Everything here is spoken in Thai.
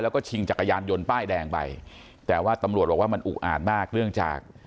แล้วก็ชิงจักรยานยนต์ป้ายแดงไปแต่ว่าตำรวจบอกว่ามันอุอาจมากเนื่องจาก